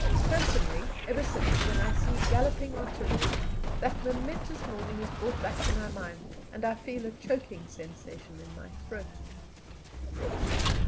Personally, ever since, when I see galloping artillery, that momentous morning is brought back to my mind, and I feel a choking sensation in my throat.